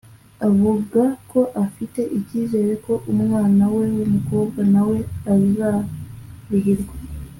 Avuga ko afite icyizere ko umwana we w’umukobwa nawe azarihirwa